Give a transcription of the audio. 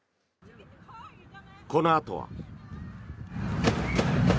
このあとは。